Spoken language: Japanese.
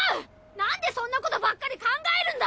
なんでそんなことばっかり考えるんだ！